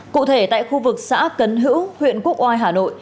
cụ thể tại khu vực xã cấn hữu huyện quốc oai hà nội